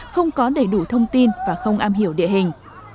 không có đầy đủ thông tin và không am hiểu địa hình